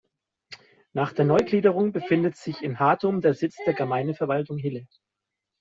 Nach der Neugliederung befindet sich in Hartum der Sitz der Gemeindeverwaltung Hille.